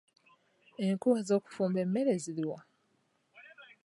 Enku ez’okufumba emmere ziri wa?.